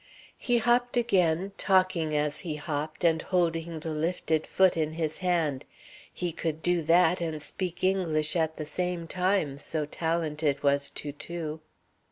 He hopped again, talking as he hopped, and holding the lifted foot in his hand. He could do that and speak English at the same time, so talented was Toutou.